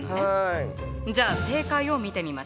じゃあ正解を見てみましょう。